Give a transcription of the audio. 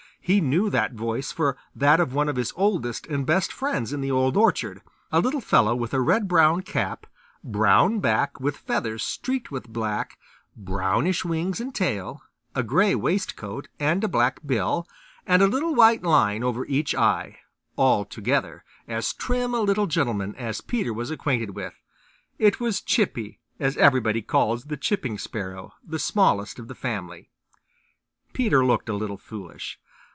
He knew that voice for that of one of his oldest and best friends in the Old Orchard, a little fellow with a red brown cap, brown back with feathers streaked with black, brownish wings and tail, a gray waistcoat and black bill, and a little white line over each eye altogether as trim a little gentleman as Peter was acquainted with. It was Chippy, as everybody calls the Chipping Sparrow, the smallest of the family. Peter looked a little foolish.